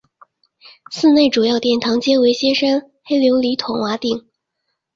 寺内主要殿堂皆为歇山黑琉璃筒瓦顶。